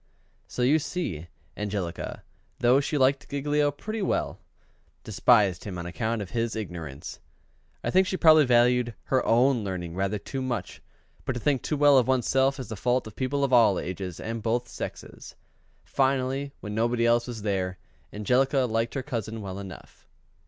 So you see, Angelica, though she liked Giglio pretty well, despised him on account of his ignorance. I think she probably valued her own learning rather too much; but to think too well of one's self is the fault of people of all ages and both sexes. Finally, when nobody else was there, Angelica liked her cousin well enough.